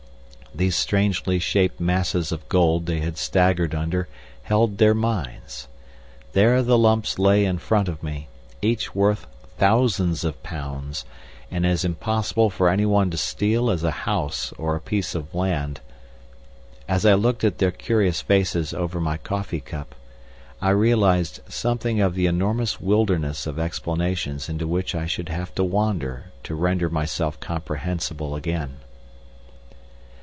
These strangely shaped masses of gold they had staggered under held their minds. There the lumps lay in front of me, each worth thousands of pounds, and as impossible for any one to steal as a house or a piece of land. As I looked at their curious faces over my coffee cup, I realised something of the enormous wilderness of explanations into which I should have to wander to render myself comprehensible again.